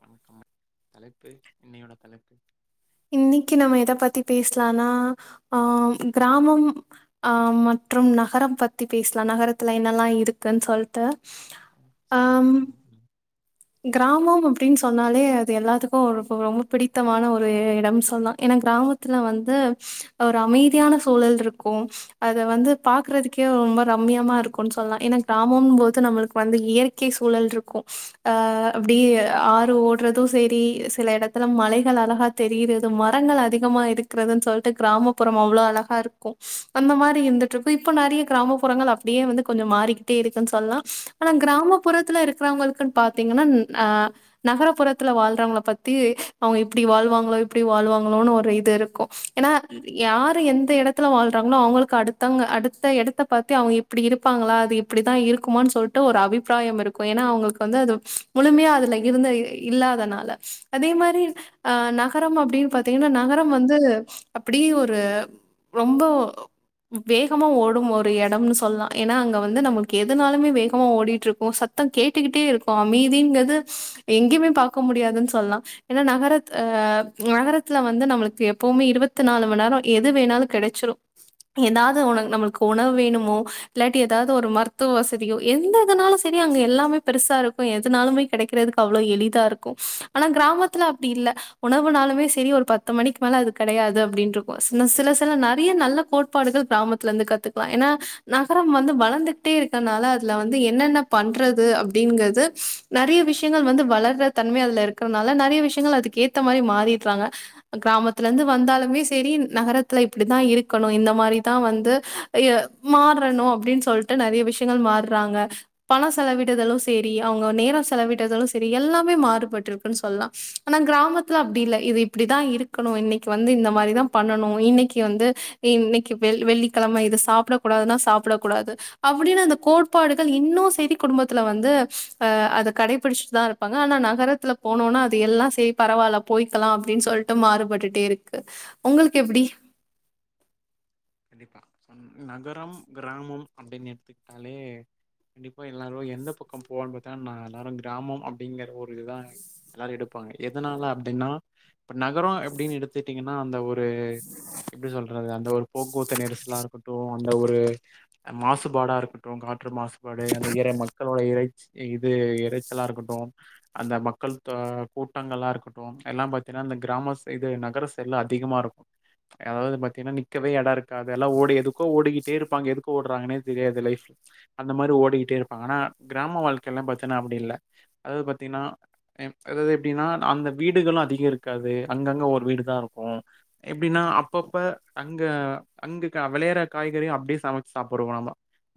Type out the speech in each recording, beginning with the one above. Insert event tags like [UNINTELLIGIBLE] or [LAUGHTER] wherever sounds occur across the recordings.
வணக்கம் தலைப்பு இன்னையோட தலைப்பு இன்னைக்கு நம்ம எத பத்தி பேசலானா ஆ கிராமம் ஆ மத் மற்றும் நகரம் பத்தி பேசலா நகரத்துல என்னெல்லா இருக்குன்னு சொல்ட்டு ம் சரி [INAUDIBLE] கிராமம் அப்டின்னு சொன்னாலே அது எல்லாத்துக்கு ரொ ரொம்ப பிடித்தமான ஒரு இடம் சொல்லலா ஏனா கிராமத்துல வந்து ஒரு அமைதியான சூழல் இருக்கும் அத வந்து பாக்குறதுக்கே ரொம்ப ரம்மியமா இருக்கும்னு சொல்லலா ஏன்னா கிராமம் போது நம்மளுக்கு வந்து இயற்கை சூழல் இருக்கு அப்டி ஆறு ஓட்றது செரி சில எடத்துல மலைகள் அழகா தெரியிறது மரங்கள் அதிகம் மா இருக்கறதுன்னு சொல்ட்டு கிராமப்புறம் அவ்வளோ அழகா இருக்கும் அந்த மாரி இருந்துட்டு இருக்கு இப்ப நெறைய கிராமப்புறம் கள் அப்டியே வந்து கொஞ்ச மாறிக்கிட்டே இருக்குன்னு சொல்லலா ஆனா கிராமப்புறத்துல இருக்கிறவங்களுக்கு பாத்தீங்கன்னா ஆ நகரப்புறத்துல வாழ்றவங்கள பத்தி அவுங்க இப்டி வாழ்வாங்களோ இப்டி வாழ்வா ளோ ஒரு இது இருக்கு ஏன்னா யாரு எந்த எடத்துல வாழ்றாங்களோ அவுங்களுக்கு அடுத்தங்க அடுத்த எடத்த பாத்தே அவுங்க இப்டி இருப்பாங்களா அது இப்படித்தா இருக்குமானு சொல்ட்டு ஒரு அபிப்பிராயம் இருக்கும் ஏனா அவுங்களுக்கு வந்து அது முழுமையா அதுல இருந்த இல்லாதனால அதே மாரி ஆ நகரம் அப்டின் பாத்தீங்கன்னா நகரம் வந்து அப்படி ஒரு ரொம்ப வேகமா ஓடும் ஒரு எடம்னு சொல்லலா ஏன்னா அங்க வந்து நம்மளுக்கு எதுனாலுமே வேகமா ஓடிட்ருக்கும் சத் சத்தம் கேட்டுக்கிட் இருக்கும் அமைதிங்கிறது எங்கேயுமே பாக்க முடியாதுன்னு சொல்லலா ஏன்னா நகரத் ஆ நகரத்துல வந்து நம்மளுக்கு எப்போவுமே இருவத்து நாலு மண்நேரம் எது வேணாலு கெடைச்சிடு ஏதாது ஒன்னு நம்மளுக்கு உணவு வேணுமோ இல்லாட்டி ஏதாது ஒரு மருத்துவ வசதியோ எந்த இதுனாலு சரி அங்க எல்லாமே பெருசா இருக்கு எதுனாலுமே கெடைக்கிறதுக்கு அவ்வளோ எளிதா இருக்கும் ஆனா கிராமத்துல அப்டி இல்ல உணவுனா சரி ஒரு பத்து மணிக்கு மேல அது கடையாது அப்படின் இருக்கும் சில சில நறைய நல்ல கோட்பாடுகள் கிராமத் ல இருந்து கத்துக்கலா ஏன்னா நகரம் வந்து வளர்ந்துட்டே இருக்கனால அதுல வந்து என்னென்ன பண்றது அப் டிங்கிறது நறைய விஷயங்கள் வந்து வளர்ற தன்மை அதல இருக்கிறதுனால நறைய விஷயங்கள் அதுக்கு ஏத்தமாரி மாறி ங்க கிராமத்துலேருந்து வந்தாலுமே செரி நகரத்துல இப்டித்தா இருக்கணும் இந்த மாரிதா வந்து மாறணும் அப்படின்னு சொல்ட்டு நறைய விஷயங்கள் மாறுறாங்க பணம் செலவிடுதலும் சரி அவங்க நேரம் செலவிட்டதாலும் சரி எல்லாமே மாறுபட்ருக்குன்னு சொல்லலா ஆனா கிராமத்துல அப்டி இல்ல இது இப்டிதா இருக்கணு இன்னைக்கு வந்து இந்த மாரிதா பண்ணணு இன்னைக்கு வந்து இன்னைக்கு வெள்ளிக்கெழ இது சாப்டக் கூடாதுன்னா சாப்டக் கூடாது அப்படின்னு அந்த கோட்பாடுகள் இன்னு செய்தி குடும்பத்துல வந்து ஆ அத கடைபிடிச்சிட்டு தான் இருப்பாங்க ஆனா நகரத்துல போனோம்னா அது எல்லா செய் பரவாயில்ல போய்க்கலாம் அப்படின்னு சொல்ட்டு மாறுபட்டுட்டே இருக்கு உங்களுக்கு எப்படி நகரம் கிராமம் அப்படின்னு எடுத்துக்கிட்டாலே கண்டிப்பா எல்லாரு எந்த பக்கம் போவான்னு பாத்தா நா எல்லாரும் கிராமம் அப்படிங்கற ஒரு இதுதா எல்லாரும் எடுப்பாங்க எதனால அப்படின்னா இப்ப நகரம் எப்படின்னு எடுத்துட்டீங்கன்னா அந்த ஒரு எப்படி சொல்றது அந்த ஒரு போக்குவத்து நெரிசலா இருக்கட்டும் அந்த ஒரு மாசுபாடா இருக்கட்டு காற்று மாசுபாடு அந்த இற மக்களோட இறைச் இது இறைச்சலா இருக்கட்டு அந்த மக்கள் கூட்டங்களா இருக்கட்டு எல்லாம் பாத்தீன்னா அந்த கிராம சைது நகர சைட்ல அதிகமா இருக்கூ அதாவது பாத்திங்ன்னா நிக்கவே எட இருக்காது எல்லா ஓடி எதுக்கோ ஓடிக்கிட்டே இருப்பாங்க எதுக்கு ஓட்ராங்கன்னே தெரியாது லைஃப் அந்த மாரி ஓடிக்கிட்டு இருப்பாங்க ஆனா கிராம வாழ்க்கைல்லாம் பாத்தின்னா அப்டி இல்ல அதாது பாத்தீங்ன்னா அதாது எப்டின்னா நா அந்த வீடுகளு அதிக இருக்காது அங்கங்க ஒரு வீடு தா இருக்கூ எப்டின்னா அப்பப்ப அங்க அங்கு கெ வெளையற காய்கறியு அப்டியே சமச்சு சாப்பிடுவோ நம்ப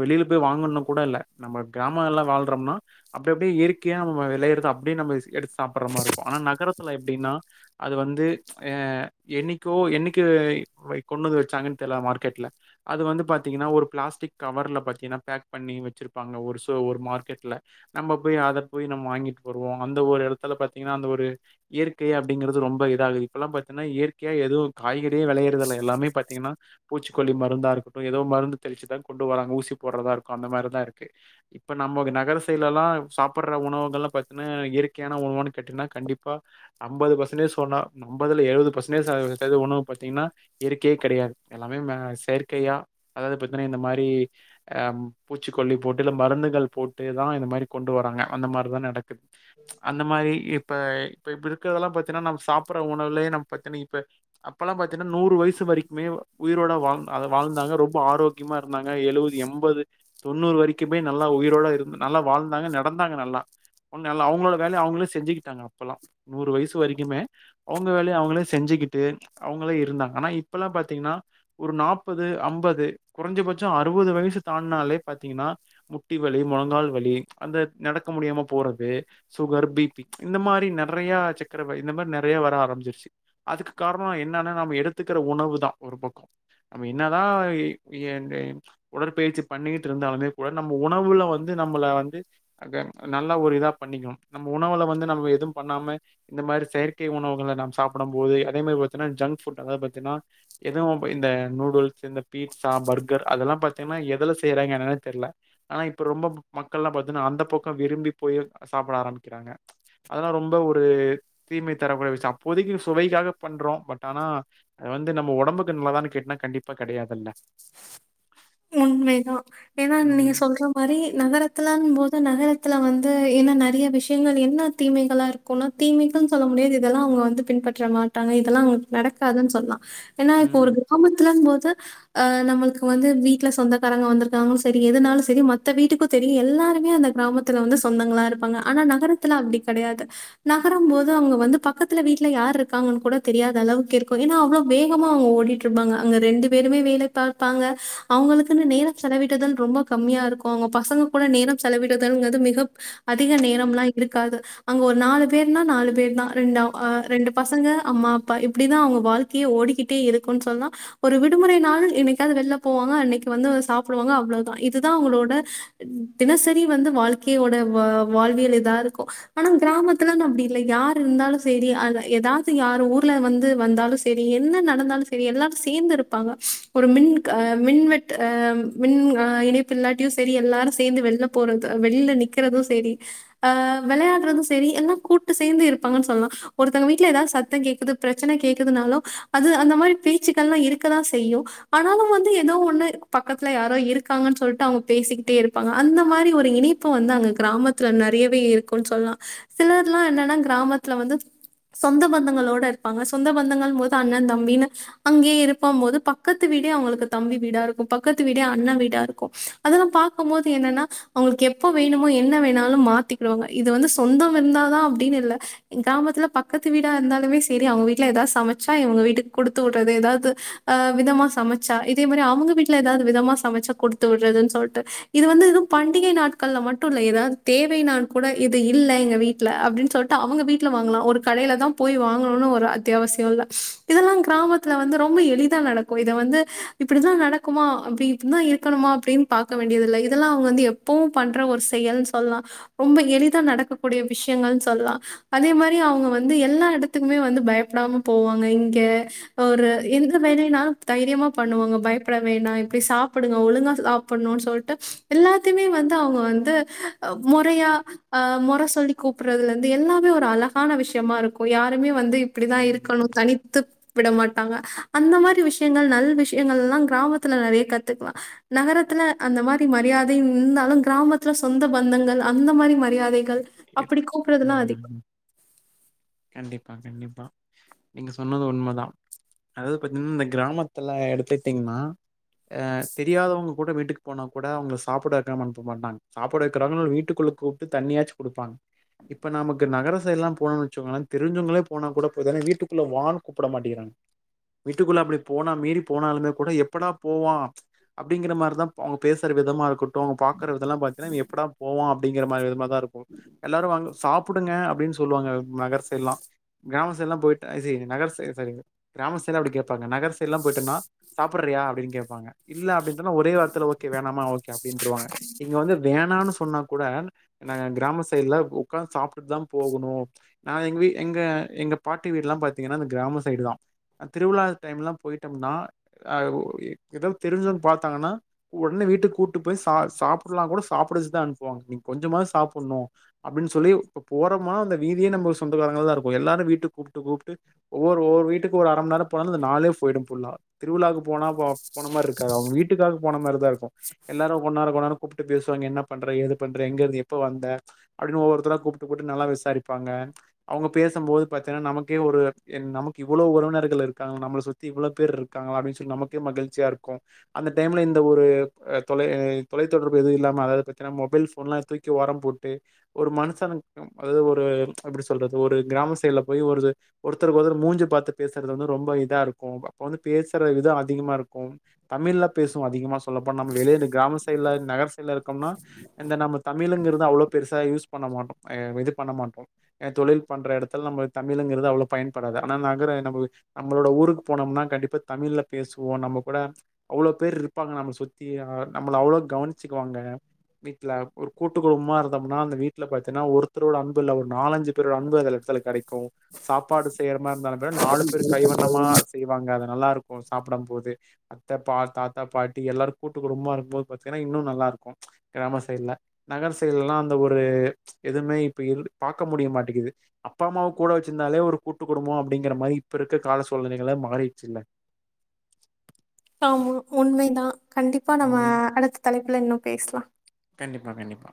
வெளில போய் வாங்கணு கூட இல்ல நம்ம கிராம எல்லா வாழ்றம்னா அப்டி அப்டியேயற்கையா நம்ப விளையறத அப் அப்டி நம்ம எடுத்து சாப்பிட்ற மார் ருக்கூ ஆனா நகரத் துல எப்டின்னா அது வந்து எ என்னிக்கோ என்னிக்கு வை கொண்டு வந்து வச்சாங்கன் தெர்ல மார்கெட்ல அது வந்து பாத்திங்கன்னா ஒரு ப்ளாஸ்டிக் கவர்ல பாத்திங்னா பேக் பண்ணி வச்சிரு பாங்க ஒரு சோ ஒரு மார்க்கெட்ல நம்ப போய் அத போய் நம் வாங்கிட்டு வருவோ அந்த ஒரு எடத்துல பாத்திங்ன்னா அந்த ஒரு இயற்கை அப்டிங்கறது ரொம்ப இதாகுது இப்பல்லா பாத்தின்னா இயற்கையா எதும் காய்கறியே வெளயறதில்லயா எல்லாமே பாத்திங்கன்னா பூச்சிக்கொல்லி மருந்தா இருக்கட்டு ஏதோ மருந்து தெளிச்சுதா கொண்டு வராங்க ஊசி போடுறதா இருக்கூ அந்த மாரிதா ருக்கு இப்ப நம்ம நகரசைட்ல எல்லா சாப்பிற உணவுகள் பாத்தன்ன இயற்கையான உணவானு கேட்டனா கண்டிப்பா அம்பது பர்சன்டேஜ் சொன்னா நம்பதுல எழுவது பர்சன்டேஜ் [UNINTELLIGIBLE] உணவு பாத்திங்கன்னா இயற்கையே கெடையாது எல்லாமே ம செயற்கையா அதாவ்து பாத்தன்னா இந்த மாரிஅ பூச்சிக் கொல்லி போட்டு இல்ல மருந்துகள் போட்டுதான் இந்த மாரி கொண்டு வராங்க அந்த மாரிதான் நடக்குது அந்த மாரி இப் இப்ப இப்ப இருக்கிறதெல்லாம் பாத்தீன்னா நம் சாப்புற உணவுலே நம் பாத்தனா இப்ப அப்பல்லாம் பாத்தீன்னா நூறு வயசு வரைக்குமே உயிரோட வாழ் வாழ்ந்தாங்க ரொம்ப ஆரோக்கியமா இருந்தாங்க எழுவது எண்பது தொண்ணூறு வரிக்குமே நல்லா உயிரோட இருந்து நல்லா வாழ்ந்தாங்க நடந்தாங்க நல்லா ஒண்ணல்ல அவுங்களோட வேலைய அவுங்களே செஞ்சுக்கிட்டாங்க அப்பல்லா நூறு வயசு வரைக்குமே அவுங்க வேலைய அவுங்களே செஞ்சி கிட்டு அவுங்களே இருந்தாங்க ஆனா இப்பல்லா பாத்தீங்ன்னா ஒரு நாப்பது அம்பது குறஞ்சபட்ச அறுவது வயசு தான்ட்னாலே பாத்தீங்கன்னா முட்டி வலி முழங்கால் வழி அந்த நடக்க முடியாம போறது சுகர் பி பி இந்த மாரி நறையா செக் இருக்குறப்ப இந்த மாரி நறைய வர ஆரம்பிச்சிருச்சி அதுக்கு காரணம் என்ன நா நாம எடுத்துக்கு ருக்கிற உணவு தான் ஒரு பக்கோ நம்ம என்னதா உடற்பயிற்சி பண்ணிக்கிட்டு இருந்தாலுமே கூட நம்ப உணவுல வந்து நம்பள வந்து நல்ல ஒரு இதா பண்ணிக்கணும் நம்ம உணவுல வந்து நம்ம எதும் பண்ணாம இந்த மாரி செயற்கை உணவுகள நாம் சாப்டம் போது அதே மாரி பாத்தனா ஜங்க்ஃபுட் அதாவ்து பாத் னா எதுவு ப இந்த நூடுல்ஸ் இந்த பீட்சா பர்கர் அதெல்லாம் பாத்தீங்கன்னா எதல செய்யறாங்க என்ன னு தெர்ல ஆனா இப்ப ரொம்ப மக்கள்லா பாத்தனா அந்த பக்கோ விரும்பி போய் சாப்ட ஆரம்பிக்கிறாங்க அதெல்லா ரொம்ப ஒரு தீமை தரக்கூட விஷய அப்போதைக்கு சுவைக்காக பண்றோ பட் ஆனா அது வந்து நம்ம ஒடம்புக்கு நல்லதான்னு கேட்டனா கண்டிப்பா கெடையாதுல்ல உண்மைதா ஏன்னா நீங்க ம் சொல்ற மாரி நகரத்துலன் போது நகர துல வந்து என்ன நறைய விஷயங்கள் என்ன தீமைகளா இருக்கூனா தீமைகள்னு சொல்ல முடியாது இதெல்லா அவுங்க வந்து பின் பற்ற மாட்டாங்க இதெல்லா அவுங்களுக்கு நடக்காதுன் சொல்லா ஏன்னா இப்ப ஒரு ம் கிராமத்துலன் போது அ நம்மளுக்கு வந்து வீ ட்ல சொந்தக்காரங்க வந்திருக்காங்கனு சரி எதுனாலு செரி மத்த வீட்டுக்கூ தெரியு எல்லாருமே அந்த கிராமத்துல வந்து சொந்தங்களா இருப் பாங்க ஆனா நகரத்துல அப்டி கெடையாது நகரம் போது அவுங்க வந்து பக்கத்துல வீட்ல யார் இருக்காங்கன்னு கூட தெரியா யாத அளவுக்கு இருக்கூ ஏன்னா அவ்வளவு வேகமா அவுங்க ஓடிட்டு இருப்பாங்க அங்க ரெண்டு பேருமே வேல பார்ப்பாங்க அவுங்களுக்குன்னு நேரம் செலவிடுதல் ரொம்ப கம்மியா இருக்கூ அவுங்க பசங்க கூட நேரம் செலவிடுதல்ங்கறது மிக அதிக நேரம்லா இருக்காது அங்க ஒரு நாலு பேர்னா நாலு பேர்தான் ரெண்ட ரெண்டு பசங்க அம்மா அப்பா இப்டிதான் அவுங்க வாழ்க்கையே ஓடிக்கிட்டே இருக்குன் சொல்லா ஒரு விடுமுறை நாள் என்னைக்காவ்து வெள்ல போவாங்க அன்னக்கி வந்து சாப்டுவாங்க அவ்ளதா இதுதா அவுங்களோட தினசரி வந்து வாழ்க்கையோட வா வாழ்வியல் இதா இருக்கூ ஆனா கிராமத்துலனு அப்டி இல்ல யார் இருந்தாலு செரி அத ஏதாவ்து யார் ஊர்ல வந்து வந்தாலு செரி என்ன நடந்தாலு செரி எல்லாரு சேந்து இருப்பாங்க ஒரு மின் க மின்வெட்டு ஆ மின் ஆ இணைப்பு இல்லாட்டியு செரி எல்லாரு சேந்து வெள்ல போறது வெளில நிக் கறதூ செரி ஆ வெளையாட்றதூ செரி எல்லா கூட்டு சேந்து இருப்பாங்கன் சொல்லா ஒருத்தங்க வீட்ல ஏதாவது சத்தம் கேக்குது பிரச்சனை கேக்குதுனாலும் அது அந்த மாரி பேச்சுகள்லாம் இருக்கதான் செய்யும் ஆனாலும் வந்து ஏதோ ஒண்ணு பக்கத்தில யாரோ இருக்காங்கன்னு சொல்ட்டு அவங்க பேசிக்கிட்டே இருப்பாங்க அந்த மாரி ஒரு இணைப்பு வந்து அங்க கிராமத்துல நிறையவே இருக்கும்ன்னு சொல்லலாம் சிலர்லாம் என்னன்னா கிராமத்துல வந்து சொந்த பந்தங்களோட இருப்பாங்க சொந்த பந்தங்கள் போது அண்ணன் தம்பினு அங்கேயே இருப்ப போது பக்கத்து வீட அவங்களு தம்பி வீடா இருக்கும் பக்கத்து வீட அண்ணா வீடா இருக்கும் அதெல்லாம் பார்க்கும்போது என்னன்னா அவங்களுக்கு எப்ப வேணும் என்ன வேணாலும் மாத்திகிடுவாங்க இது வந்து சொந்தம் இருந்தாதா அப்படின்னு இல்ல கிராமத்துல பக்கத்து வீட இருந்தாலுமே செரி அவங்க வீட்டுல ஏதாவது சமைச்சா இங்க வீட்டுக்கு கொடுத்து விடு்றது ஏதாவது ஆ விதமா சமை ச்ச இதே மாரி அவங்க வீட்டுல ஏதாவது விதமா சமைச்ச கொடுத்து விடுறதுன்னு சொல்லிட்டு இது வந்து எதுவும் பண்டிகை நாட்கள் மட்டுல்ல ஏதாவது தேவைையினானு கூட இது இல்ல எங்க வீட்ல அப்டின்னு சொல்லிட்டு அவங்க வீட்ல வாங்கலா ஒரு கடையில தான் போய் வாங்கணும்னு ஒரு அத்தியாவசியம் இல்ல இதெல்லாம் கிராமத்துல்ல வந்து ரொம்ப எளிதா நடக்கும் இத வந்து இப்டித்தா நடக்குமா அப்படி இப்டிதா இருக்கணுமா அப்டின்னு பார்க்க வேண்டியதில்ல இதெல்லாம் அவங்க வந்து எப்பவும் பண்ற ஒரு செயல் சொல்லலாம் ரொம்ப எளிதாக நடக்கக்கூடிய விஷயங்கள் சொல்லலாம் அதே மாரி அவங்க வந்து எல்லா இடத்துக்குமே வந்து பயப்படாம போவாங்க இங்க ஒரு எந்த வேலைனாலும் தைரியமா பண்ணுவாங்க பயப்பட வேணாம் இப்படி சாப்புடுங்க ஒழுங்கா சாப்புடணும்னு சொல்லிட்டு எல்லாத்தையுமே வந்து அவங்க வந்து வந்து மொறையா ஆ மொற சொல்லி கூப்புறதுல இருந்து எல்லாமே ஒரு அழகான விஷயமா இருக்கும் யாருமே வந்து இப்படிதான் ம். இருக்கணும் தனித்து விட மாட்டாங்க அந்த மாரி விஷயங்கள் நல் விஷ யங்கள்லாம் கிராமத்துல நெறைய கத்துக்கலாம் நகரத்ததுல அந்த மாரி மரியாதை இருந்தாலும் கிராமத்துல சொந்த பந்தங்கள் அந்த மாரி மரி ம்ம் கண்டிப்பா கண்டிப்பா நீங்க சொன்னது உண்மதா அதாவது பாத்தீங்கன்னா இந்த கிராமத்துல எடுத்துட்டீங்கன்னா அ தெரியாதவங்க கூட வீட்டுக்கு போனா கூட அவங்க சாப்ட வக்காம அனுப்ப மாட்டாங்க சாப்ட வைகரெக்கிங்களோ வீட்டுக்குள்ள கூப்டு தண்ணியாச்சு குடுப்பாங்க இப்ப நமக்கு நகரசைடுலா போனோம்ன்னு வச்சோங்களே தெரிஞ்சோங்களே போனா கூட போய் வீட்டுக்குள்ள வானு கூப்புட மாட்டேகிறாங்க வீட்டுக்குள்ள அப்டி போனா மீறி போனாலுமே கூட எப்படா போவான் அப்டிங்கிற மாரி தா அவங்க பேசுற விதமா இருக்கு அவுங்க பாக்குற விதலா பாத்தீங்கனா எப்பட போவா அப்டிங்கிற மாரி தா இருக்கும் எல்லாரும் வங்க சாப்புடுங்க அப்டின்னு சொல்லுவாங்க நகர் சைடுலா கிராம சைடுலா போய்டா இ சீ நகர் சைடு சாரி கிராம சைடுலா அப்டி கேப்பாங்க நகர் சைடுலா அப்டி போய்டோன சாப்புரி யா அப்டின்னுே கேப்பாங்க இல்ல அப்டினா ஒரே வார்த்தைல ஓகே வேணாமா ஓகே அப்டின்றுவாங்க இங்க வந்து வேணான்னு சொன்னா கூட ந கிராம சைடு்ல உக்காந்து சாப்ட்டு தான் போகணு நா எங்க வீ எங்க எங்க பாட்டிலா பாத்தீங்கன்னா அந்த கிராம சைடு தா திருவிழா டைம் எல்லாம் போயிட்டோம்னா ஆ ஏதோ தெரிஞ்சோங்க பாத்தாங்கன்னா உடனே வீட்டுக்கு கூட்டு போய் சா சாப்டலானு கூட சாப்டவச்சுதான் அனுப்புவாங்க நீங்க கொஞ்சமா சாப்புடணும் அப்டின்னு சொல்லி போறம்னா அந்த வீதியே நம்ம சொந்தகாரங்கள தா இருக்கும் எல்லாரும் வீட்டு கூப்ட்டு கூப்ட்டு ஒவ்வொரு ஒவ்வொரு வீட்டுக்கு ஒரு அரை நேரம் போன அந்த நாளே போயிடும் புள்ளா திருவிழாக்கு போன போ மாரி இருக்க அவுங்க வீட்டுக்காக போன மாதிரிதா இருக்கும் எல்லாரும் ஒன்னார் ஒன்னார் கூப்ட்டு பேசுவாங்க என்ன பண்ற எது பண்ற எப்போ வந்த அப்டின்னு ஒவ்வொருத்தரா கூப்புட்டு நல்லா விசாரிப்பாங்க அவங்க பேசும்போது பாத்தேன்னா நமக்கே ஒரு ஒரு நமக்கு இவ்வளவு உறவினர்கள் இருக்காங்க நம்மள சுத்தி இவ்வளோ பேர் இருக்காங்க அப்டின்னு சொல்லி நமக்கே மகிழ்ச்சியா இருக்கு அந்த டைம்ல இந்த ஒரு தொலை தொலைத்த தொடர்பு எதுவு இல்லாம அதவது பதான மொபைல் போன்லா தூக்கி ஓரம் போட்டு ஒரு மனுசனுக்கு ஒரு எப்படி சொல்றது ஒரு கிராம சைடல போய் ஒரு ஒருத்தர் ஒருத்தருக்கு மூஞ்சு பார்த்து பேசுறது வந்து ரொம்ப இதா இருக்கு அப்ப வந்து பேசுற விதம் அதிகமா இருக்கு தமிழ்ல பேசும் அதிகமா சொல்லப்ப நம்ம வெளியே கிராம சைடல நகர் சைடல இருக்கம்னா நம்ம தமிழ்ங்க அவ்வளோக் பெருசா யூஸ் பண்ண மாட்டோம் இது பண்ண மாட்டோம் தொழில் பண்ற இடத்தில் நம தமிழ்ங்கிறது அவ்வளவு பயன்படா ஆனா நகரம் நம்மளோட ஊருக்கு போனோம்னா கண்டிப்பா தமிழ்ல பேசுவோம் நம்ம கூட அவ்வளவு பேர் இருப்பாங்க நம்ம சுத்தி நம்மள அவ்ளோ கவனிச்சுக்குவாங்க வீட்டுல ஒரு கூட்டுக்கு குடும்பமா இருந்தோம்னா அந்த வீட்டுல பாத்தீங்கன்னா ஒருத்தரோட அன்பு இல்ல ஒரு நாலஞ்சு பேரோட அன்பு எங்களுக்கு கிடைக்கும் சாப்பாடு செய்யற மாதிரி இருந்த நாலு பேர் கைவண்ணமா செய்வாங்க அத நல்லா இருக்கு சாப்பிடம் போதே அத்தை பா தாத்தா பாட்டி எல்லாரு கூட்டு குடும்பமா இருக்கும்போது பாத்தீங்கன்னா இன்னு நல்லா இரு கிராம சைட்ல நகர் செயல்லா அந்த ஒரு எதுவுமே இப்ப இரு பாக்க முடிய மாட்டேங்கிது அப்பா அம்மாவ கூட வச் ச்சிதாலே ஒரு கூட்டு குடும்ப அப்டிங்கிற மாரி இப்ப இருக்க கால சூழ்நிலைகல மாறிடுச்சுல்ல ஆமா உண்மைதா கண்டிப்பா நம்ம ம் அடுத்த தலைப்புல இன்னு பேசலா கண்டிப்பா கண்டிப்பா